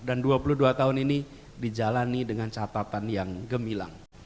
dan dua puluh dua tahun ini dijalani dengan catatan yang gemilang